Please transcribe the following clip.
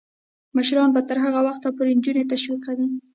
مشران به تر هغه وخته پورې نجونې تشویقوي.